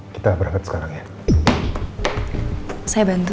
kita berangkat sekarang ya saya bantu